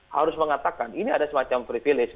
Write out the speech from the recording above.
harus mengatakan ini ada semacam privilege